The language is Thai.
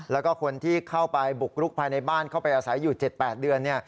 แล้วก็คนที่เข้าไปบุกรุกภายในบ้านเข้าไปอาศัยอยู่๗๘เดือน